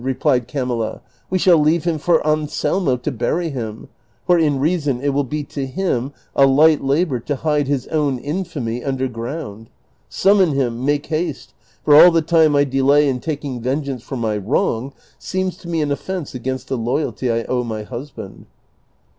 " replied Camilla," we shall leave him for An selmo to bury him; for in reason it will be to him a light labor to hide his OAvn infamy under ground. Summon hira, make haste, for all the time T delay in taking vengeance for my wrong seems to me an ottence against the loyalty I owe my husband."